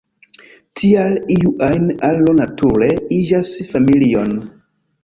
Tial iu ajn aro nature iĝas familion.